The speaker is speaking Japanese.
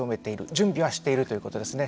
準備はしているということですね